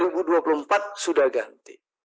bulan dua ribu dua puluh empat sudah ganti